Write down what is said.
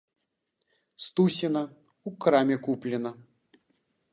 Стусіна, у краме куплена.